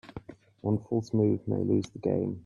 One false move may lose the game.